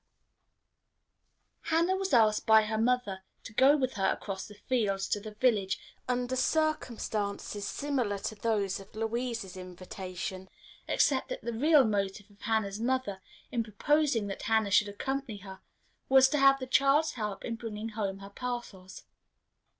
Hannah was asked by her mother to go with her across the fields to the village under circumstances similar to those of Louisa's invitation, except that the real motive of Hannah's mother, in proposing that Hannah should accompany her, was to have the child's help in bringing home her parcels.